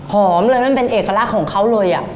หอมเลยมันเป็นเอกลักษณ์ของเขาเลย